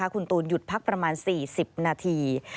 คุณตูนหยุดพักประมาณ๔๐นาที